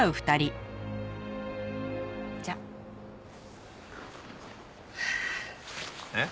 じゃあ。えっ？